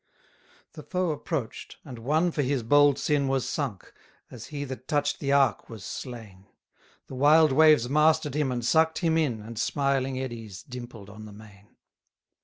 94 The foe approach'd; and one for his bold sin Was sunk; as he that touch'd the ark was slain: The wild waves master'd him and suck'd him in, And smiling eddies dimpled on the main.